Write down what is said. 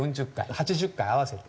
８０回合わせて。